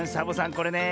これねえ